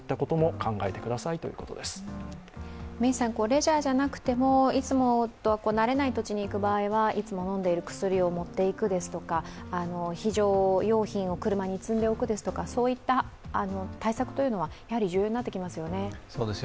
レジャーじゃなくてもいつもとは慣れない土地に行く場合はいつも飲んでいる薬を持っていくですとか、非常用品を車に積んでおくですとかそういった対策はやはり重要になってきますよね。